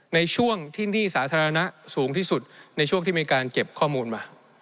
ในช่วงที่หนี้สาธารณะสูงที่สุดในช่วงที่มีการเก็บข้อมูลมา